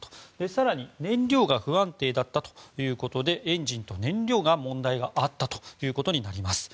更に、燃料が不安定だったということでエンジンと燃料に問題があったということになります。